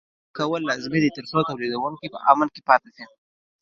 دا رعایت کول لازمي دي ترڅو تولیدوونکي په امن کې پاتې شي.